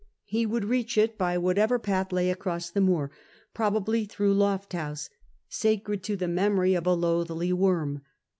He would reach it by whatever path led across the moor, probably through Lofthouse, sacred to the memory of a Loathly Worm.